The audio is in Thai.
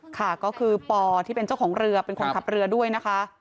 ค่ะก็คือปอที่เป็นเจ้าของเรือเป็นคนขับเรือด้วยนะคะ